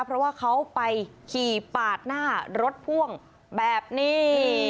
เพราะว่าเขาไปขี่ปาดหน้ารถพ่วงแบบนี้